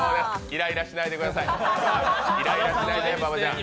イライラしないでください。